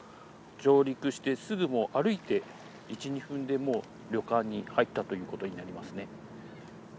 上陸してすぐもう歩いて１２分でもう旅館に入ったということになりますね。